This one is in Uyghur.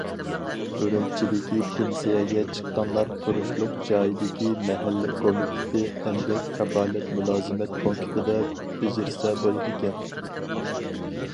ئۈرۈمچىدىكى پېنسىيەگە چىققانلار تۇرۇشلۇق جايدىكى مەھەللە كومىتېتى ئەمگەك كاپالەت مۇلازىمەت پونكىتىدا بېجىرسە بولىدىكەن.